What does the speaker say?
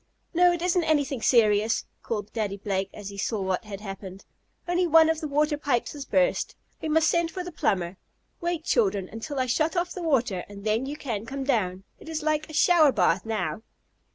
"No, it isn't anything serious!" called Daddy Blake when he saw what had happened. "Only one of the water pipes has burst. We must send for the plumber. Wait, children, until I shut off the water, and then you can come down. It is like a shower bath now."